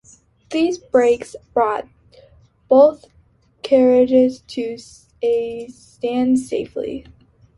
These brakes brought both carriages to a stand safely.